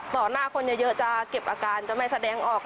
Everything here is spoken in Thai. หน้าคนเยอะจะเก็บอาการจะไม่แสดงออก